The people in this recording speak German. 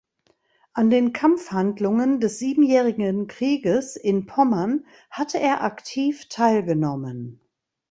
An den Kampfhandlungen des Siebenjährigen Krieges in Pommern hatte er aktiv teilgenommen.